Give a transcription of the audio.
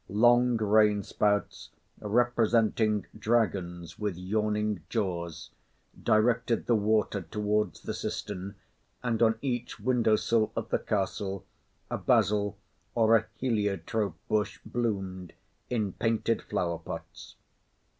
Long rain spouts, representing dragons with yawning jaws, directed the water towards the cistern, and on each window sill of the castle a basil or a heliotrope bush bloomed, in painted flower pots.